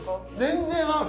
全然合う！